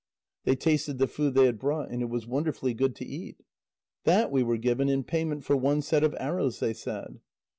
They tasted the food they had brought. And it was wonderfully good to eat. "That we were given in payment for one set of arrows," they said.